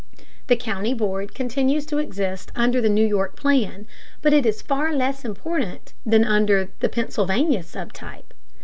The county board continues to exist under the New York plan, but it is far less important than under the Pennsylvania sub type.